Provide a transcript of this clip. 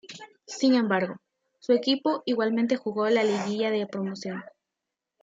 Sin embargo, su equipo igualmente jugó la Liguilla de Promoción.